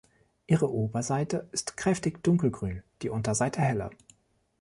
Ihre Oberseite ist kräftig dunkelgrün, die Unterseite heller.